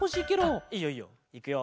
あっいいよいいよ。いくよ。